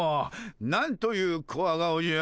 なんというコワ顔じゃ。